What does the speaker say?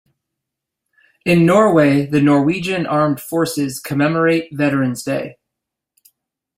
In Norway the Norwegian Armed Forces commemorate Veteran's Day.